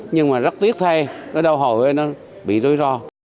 nhưng mà rất tiếc thay cái đau hồi nó bị rủi ro